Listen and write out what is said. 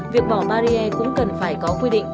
việc bỏ barriere cũng cần phải có quy định